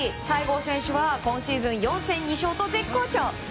西郷選手は今シーズン４戦２勝と絶好調。